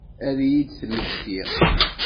Ad iyi-d-temmekti?